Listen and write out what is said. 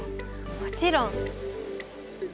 もちろん！